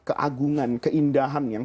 keagungan keindahan yang